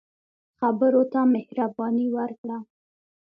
خبرو ته مهرباني ورکړه